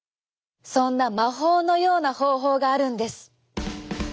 そんな魔法のような方法があるんです。